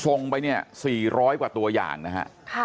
ส่งไปเนี่ย๔๐๐กว่าตัวอย่างนะฮะ